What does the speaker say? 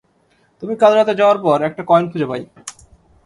তুমি কাল রাতে যাওয়ার পর, একটা কয়েন খুঁজে পাই।